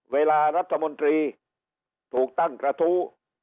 เวลารัฐมนตรีถูกตั้งกระทู้